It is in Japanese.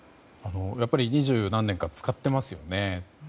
やっぱり二十何年か使っていますよね。